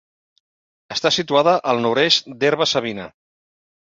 Està situada al nord-est d'Herba-savina.